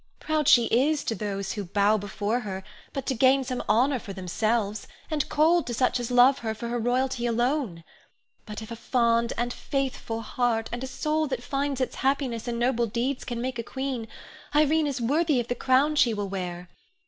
Proud she is to those who bow before her but to gain some honor for themselves, and cold to such as love her for her royalty alone. But if a fond and faithful heart, and a soul that finds its happiness in noble deeds can make a queen, Irene is worthy of the crown she will wear.